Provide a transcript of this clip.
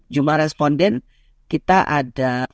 jumlah responden kita ada satu ratus dua puluh delapan